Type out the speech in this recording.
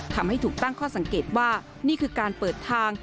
ทำให้ถูกตั้งข้อสังเกตว่านี่คือการเปิดทาง